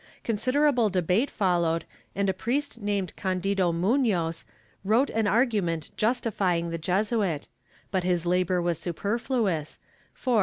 Considerable debate fol lowed and a priest named Candido Munoz wrote an argument justifying the Jesuit, but his labor was superfluous for, while his ' Simancae Enchirid.